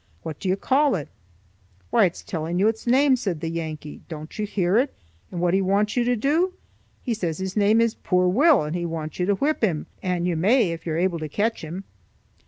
"What do you call it?" "Why, it's telling you its name," said the Yankee. "Don't you hear it and what he wants you to do? He says his name is 'Poor Will' and he wants you to whip him, and you may if you are able to catch him."